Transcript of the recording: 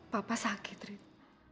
bapak sakit reda